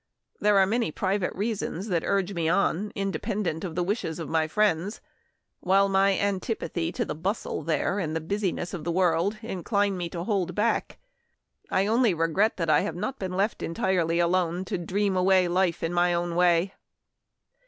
There are many private reasons that urge me on, independent of the wishes of my friends, while my antipathy to the bustle there, and business of the world, incline me to hold back. I only regret that I have not been left entirely alone, and to dream away life in my own way."